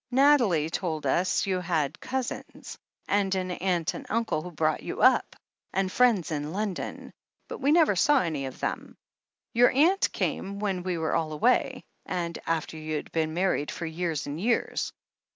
Nathalie told us you had cousins, and an aunt and uncle who brought you up, and friends in London — ^but we never saw any of them. Your aunt came when we were all away — and after you'd been married for years and years.